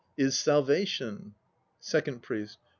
Is Salvation. 6 SECOND PRIEST.